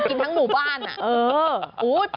กินทั้งหมู่บ้านน่ะเออเออ